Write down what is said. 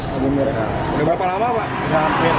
sudah berapa lama pak